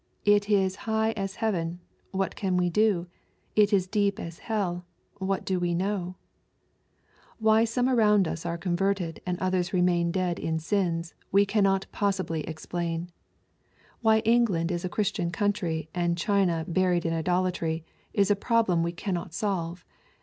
" It is high as heaven : what can we do ? It is deep as hell : what do we know ?". Why some around us are converted and others remain dead in sins, we cannot possibly explain. Why England is a Christian country and China buried in idolatry^ is a problem we cannot solve.